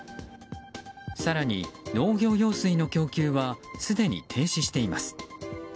更に農業用水の供給はすでに停止しています。